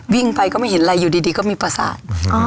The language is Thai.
วิ่งไปก็ไม่เห็นอะไรอยู่ดีก็มีประสาท